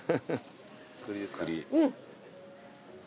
うん。